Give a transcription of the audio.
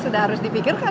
sudah harus dipikirkan